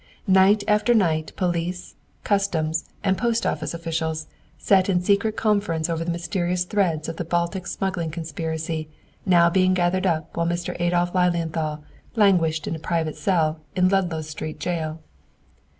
Night after night police, customs, and post office officials sat in secret conference over the mysterious threads of the Baltic smuggling conspiracy now being gathered up while Mr. Adolph Lilienthal languished in a private cell in Ludlow Street jail.